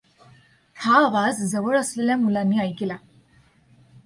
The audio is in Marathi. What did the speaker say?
हा आवाज जवळ असलेल्या मुलांनी ऐकिला.